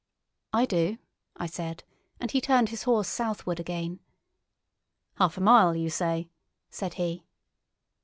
"I do," I said; and he turned his horse southward again. "Half a mile, you say?" said he.